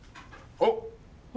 あっ！